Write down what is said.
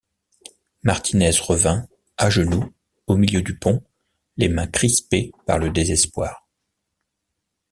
Martinez revint, à genoux, au milieu du pont, les mains crispées par le désespoir!